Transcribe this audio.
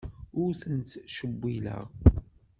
Ur ten-ttcewwileɣ.